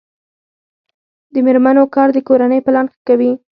د میرمنو کار د کورنۍ پلان ښه کوي.